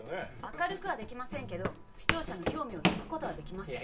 明るくはできませんけど視聴者の興味を引くことはできます。